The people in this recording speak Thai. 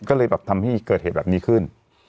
ก็เลยแบบทำให้เกิดเหตุแบบนี้ขึ้น